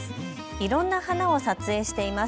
いろんな花を撮影しています。